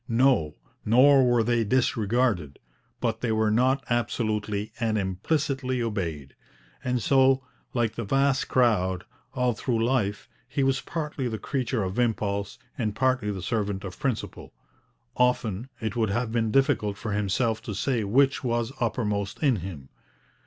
No; nor were they disregarded; but they were not absolutely and implicitly obeyed. And so, like the vast crowd, all through life he was partly the creature of impulse and partly the servant of principle. Often it would have been difficult for himself to say which was uppermost in him.